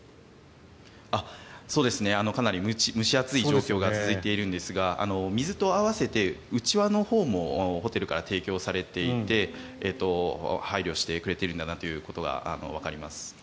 かなり蒸し暑い状況が続いているんですが水と合わせてうちわのほうもホテルから提供されていて配慮してくれているんだなということがわかります。